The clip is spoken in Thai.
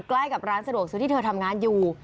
ใกล้กับร้านสะดวกซื้อที่เธอทำงานอยู่